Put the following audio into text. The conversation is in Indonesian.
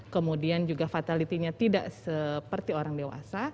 kemudian juga fatality nya tidak seperti orang dewasa